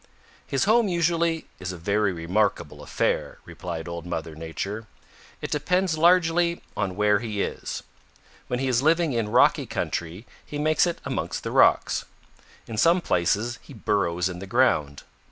"His home usually is a very remarkable affair," replied Old Mother Nature. "It depends largely on where he is. When he is living in rocky country, he makes it amongst the rocks. In some places he burrows in the ground.